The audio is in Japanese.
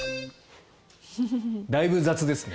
だいぶ雑ですね。